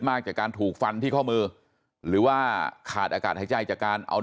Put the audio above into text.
จากการถูกฟันที่ข้อมือหรือว่าขาดอากาศหายใจจากการเอา